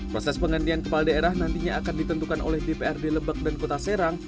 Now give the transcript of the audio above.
proses penggantian kepala daerah nantinya akan ditentukan oleh dprd lebak dan kota serang